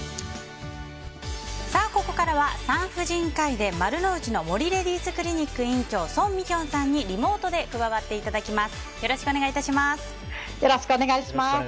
ここからは産婦人科医で丸の内の森レディースクリニック院長宋美玄さんにリモートで加わっていただきます。